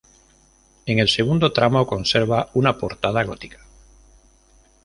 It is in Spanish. En el segundo tramo, conserva una "portada" gótica.